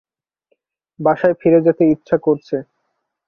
বাসায় ফিরে যেতে ইচ্ছা করছে।